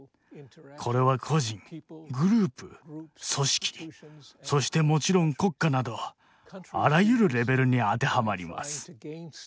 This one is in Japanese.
これは個人グループ組織そしてもちろん国家などあらゆるレベルに当てはまります。